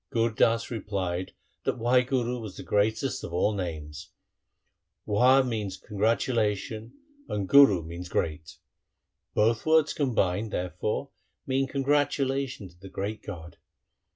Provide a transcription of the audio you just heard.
' Gur Das replied that Wahguru was the greatest of all names. ' Wah means congratula tion, and guru means great. Both words combined, therefore, mean congratulation to the Great God.